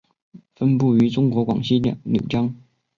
分布于中国广西柳江。